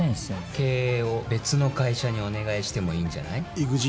経営を別の会社にお願いしてもいいんじゃない？